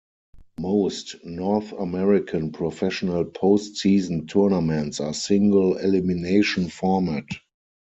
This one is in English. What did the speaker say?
Most North American professional post-season tournaments are single-elimination format.